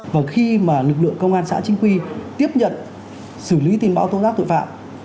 và khi mà lực lượng công an xã chính quy tiếp nhận xử lý tin bão tố giác tội phạm